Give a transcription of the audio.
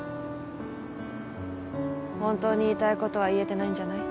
本当に言いたいことは言えてないんじゃない？